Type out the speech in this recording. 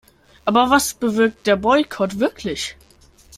Aber was bewirkt der Boykott wirklich?